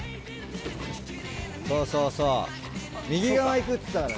そうそうそう右側に行くっつったからね。